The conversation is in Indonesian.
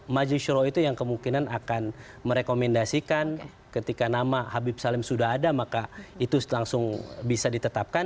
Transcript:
majlis syuroh itu yang kemungkinan akan merekomendasikan ketika nama habib salim sudah ada maka itu langsung bisa ditetapkan